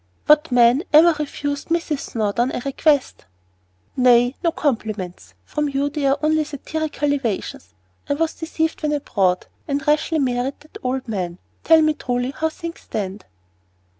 "What man ever refused Mrs. Snowdon a request?" "Nay, no compliments; from you they are only satirical evasions. I was deceived when abroad, and rashly married that old man. Tell me truly how things stand."